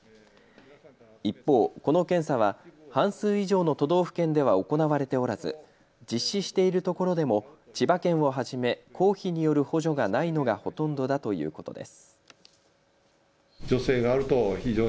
一方、この検査は半数以上の都道府県では行われておらず実施しているところでも千葉県をはじめ公費による補助がないのがほとんどだということです。